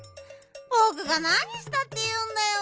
ぼくがなにしたっていうんだよ。